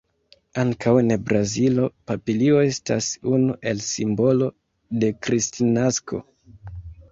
Ankaŭ en Brazilo papilio estas unu el simbolo de kristnasko.